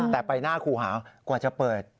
แต่ไปหน้าครูหาวกว่าจะเปิด